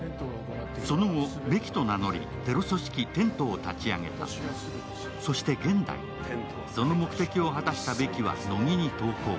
その後、ベキと名乗り、テロ組織テントを立ち上げた、そして現代、その目的を果たしたベキは乃木に投降。